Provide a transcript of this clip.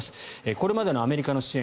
これまでのアメリカの支援